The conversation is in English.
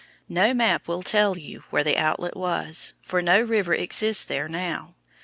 No map will tell you where the outlet was, for no river exists there now.